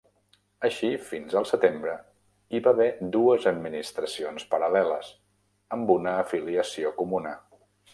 Així, fins al setembre hi va haver dues administracions paral·leles, amb una afiliació comuna.